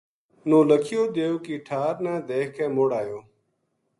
نو لکھیو دیو کی ٹھا ر نا دیکھ کے مڑ ایو